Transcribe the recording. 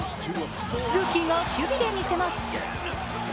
ルーキーが守備でみせます。